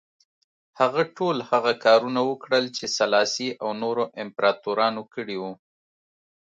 هغه ټول هغه کارونه وکړل چې سلاسي او نورو امپراتورانو کړي وو.